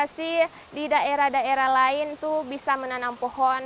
saya sih di daerah daerah lain tuh bisa menanam pohon